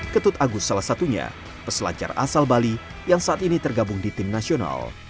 ketut agus salah satunya peselancar asal bali yang saat ini tergabung di tim nasional